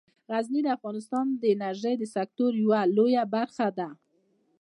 غزني د افغانستان د انرژۍ د سکتور یوه لویه برخه ده.